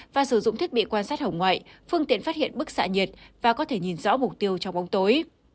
và sử dụng thiết bị quan sát hồng ngoại phương tiện phát hiện bức xạ nhiệt và có thể nhìn rõ mục tiêu trong ống tối